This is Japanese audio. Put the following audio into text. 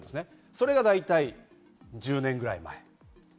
それが大体１０年ぐらい前。